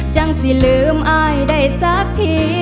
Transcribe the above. จังสิลืมอายได้สักที